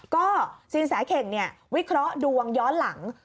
ก็ซินสาเข่งเนี่ยวิเคราะห์ดวงย้อนหลัง